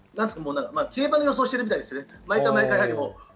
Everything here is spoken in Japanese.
競馬の予想をしているみたいです。